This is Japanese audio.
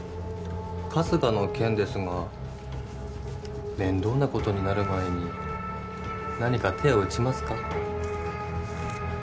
春日の件ですが面倒なことになる前に何か手を打ちますか？